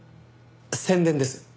宣伝です。